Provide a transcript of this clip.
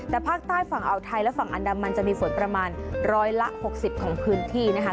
แต่ภาคใต้ฝั่งอ่าวไทยและฝั่งอันดามันจะมีฝนประมาณร้อยละ๖๐ของพื้นที่นะคะ